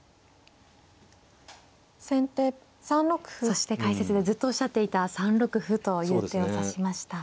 そして解説でずっとおっしゃっていた３六歩という手を指しました。